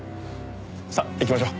さあ行きましょう。